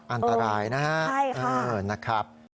อันตรายนะครับนะครับใช่ค่ะ